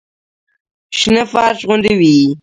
شنه فرش غوندې وي.